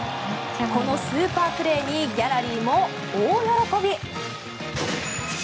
このスーパープレーにギャラリーも大喜び。